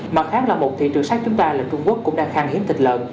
mặt khác là một thì trường sát chúng ta là trung quốc cũng đang khang hiếm thịt lận